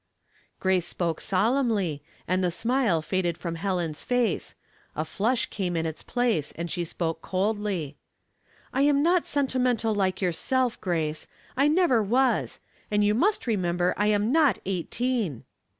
" Grace spoke solemnly, and the smile faded from Helen's face ; a flush came in its place, and she spoke coldly. "I am not sentimental like yourself, Grace. I never was ; and you must remember I am not eighteen."